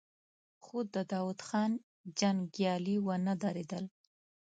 خو د داوود خان جنګيالي ونه درېدل.